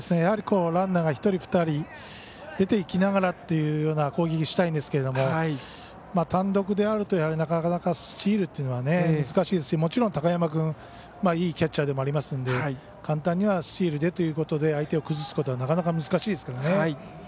ランナーが１人、２人出てきながらというような攻撃をしたいんですけど単独であるとなかなかスチールというのは難しいですし、もちろん高山君いいキャッチャーでもありますので簡単にはスチールでということで相手を崩すことはなかなか難しいですからね。